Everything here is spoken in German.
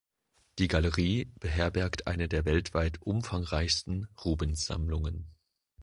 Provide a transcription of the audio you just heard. Die Galerie beherbergt eine der weltweit umfangreichsten Rubens-Sammlungen.